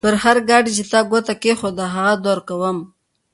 پر هر ګاډي چې تا ګوته کېښوده؛ هغه درکوم.